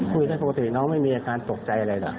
คุยได้ปกติน้องไม่มีอาการตกใจอะไรหรอก